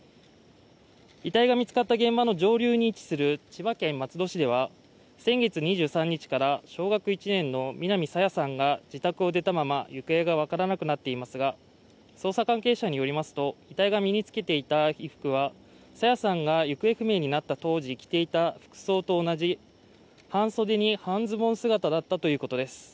遺体が見つかった現場の上流に位置する千葉県松戸市では先月２３日から、小学１年の南朝芽さんが自宅を出たまま行方が分からなくなっていますが、捜査関係者によりますと遺体が身につけていた衣服は朝芽さんが行方不明になった当時着ていた服装と同じ半袖に半ズボン姿だったということです。